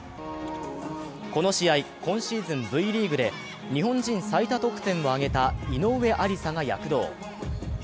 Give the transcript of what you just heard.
この試合、今シーズン、Ｖリーグで日本人最多得点を挙げた井上愛里沙が躍動。